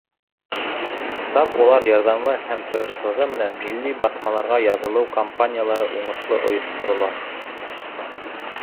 Тап улар ярҙамы һәм тырышлығы менән милли баҫмаларға яҙылыу кампаниялары уңышлы ойошторола.